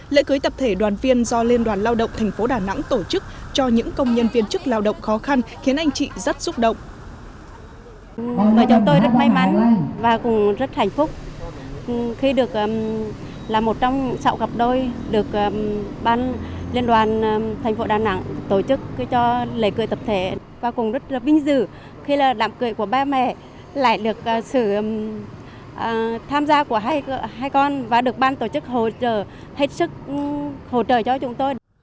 lễ cưới tập thể đoàn viên do liên đoàn lao động thành phố đà nẵng tổ chức cho những công nhân viên chức lao động khó khăn khiến anh chị rất xúc động